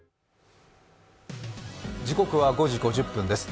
時刻は５時５０分です。